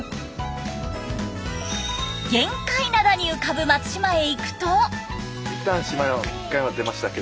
玄界灘に浮かぶ松島へ行くと。